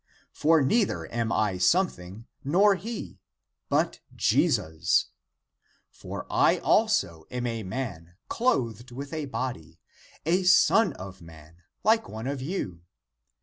For neither am I something, nor he, but Jesus. For I also am a man, clothed with a body, a son of man, like one of you.